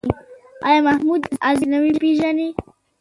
آيا محمود غزنوي پېژنې ؟